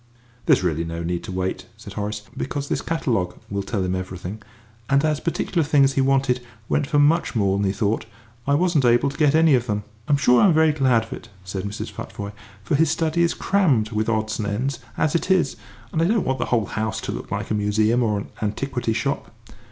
"There's really no need to wait," said Horace, "because this catalogue will tell him everything, and, as the particular things he wanted went for much more than he thought, I wasn't able to get any of them." "I'm sure I'm very glad of it," said Mrs. Futvoye, "for his study is crammed with odds and ends as it is, and I don't want the whole house to look like a museum or an antiquity shop.